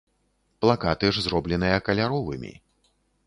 Плакаты ж зробленыя каляровымі.